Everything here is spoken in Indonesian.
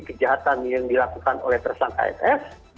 kejahatan yang dilakukan oleh persang kfs